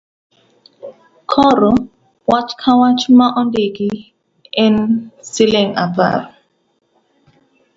Koro wach Ka wach ma indiko en shilling apar.